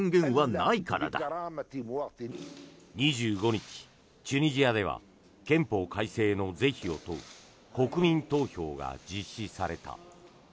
２５日、チュニジアでは憲法改正の是非を問う国民投票が実施された。